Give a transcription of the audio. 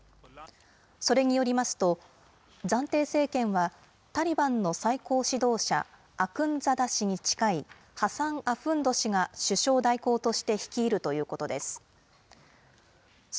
それによりますと、暫定政権はタリバンの最高指導者、アクンザダ師に近い、ハサン・アフンド氏が首相代行として率いるということです。